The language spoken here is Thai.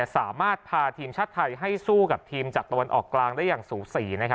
สามารถพาทีมชาติไทยให้สู้กับทีมจากตะวันออกกลางได้อย่างสูสี